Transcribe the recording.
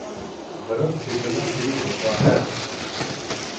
برف پگھلنا شروع ہوتا ہے